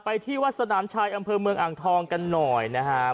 ที่วัดสนามชายอำเภอเมืองอ่างทองกันหน่อยนะครับ